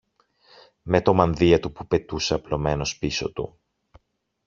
με το μανδύα του που πετούσε απλωμένος πίσω του